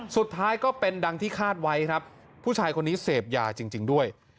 สุดท้ายก็เป็นดังที่คาดไว้ครับผู้ชายคนนี้เสพยาจริงด้วย